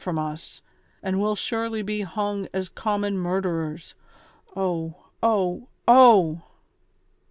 159 from us, and we'll surely be liung as common murderers. Oh ! Oh !! Oh